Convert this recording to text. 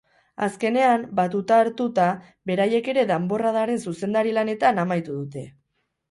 Azkenenean, batuta hartuta, beraiek ere danborradaren zuzendari lanetan amaitu dute!